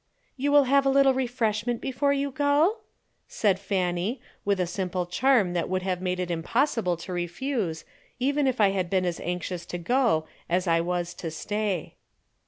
"You will have a little refreshment before you go?" said Fanny, with a simple charm that would have made it impossible to refuse, even if I had been as anxious to go as I was to stay.